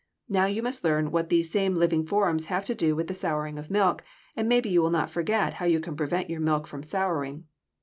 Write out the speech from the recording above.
Now you must learn what these same living forms have to do with the souring of milk, and maybe you will not forget how you can prevent your milk from souring.